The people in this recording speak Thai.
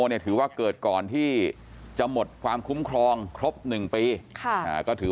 เนี่ยถือว่าเกิดก่อนที่จะหมดความคุ้มครองครบ๑ปีก็ถือ